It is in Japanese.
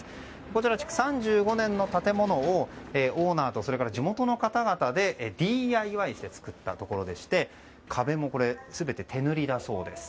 こちら、築３５年の建物をオーナーと地元の方々でＤＩＹして作ったところでして壁も全て手塗りだそうです。